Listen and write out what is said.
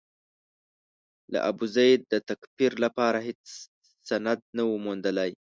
د ابوزید د تکفیر لپاره هېڅ سند نه و موندلای.